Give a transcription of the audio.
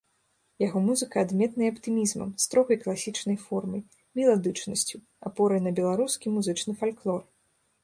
Яго музыка адметная аптымізмам, строгай класічнай формай, меладычнасцю, апорай на беларускі музычны фальклор.